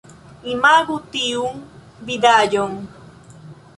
Imagu tiun vidaĵon!